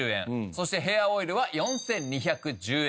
そしてヘアオイルは４２１０円。